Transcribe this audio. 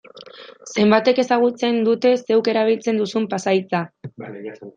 Zenbatek ezagutzen dute zeuk erabiltzen duzun pasahitza?